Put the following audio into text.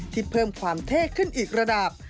เพิ่มความเท่ขึ้นอีกระดับ